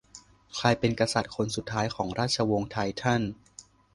ใครเป็นกษัตริย์คนสุดท้ายของราชวงศ์ไททัน